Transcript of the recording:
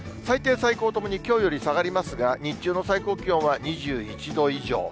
最低、最高ともにきょうより下がりますが、日中の最高気温は２１度以上。